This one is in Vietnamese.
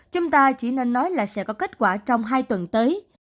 chúng ta chỉ nên nói là sẽ có kết quả trong hai tuần tới